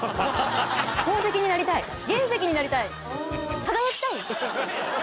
宝石になりたい原石になりたい。